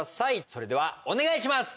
それではお願いします